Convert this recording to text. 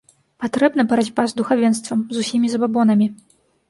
Патрэбна барацьба з духавенствам, з усімі забабонамі.